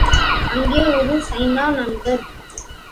அங்கே ஒரு சைனா நண்பர்.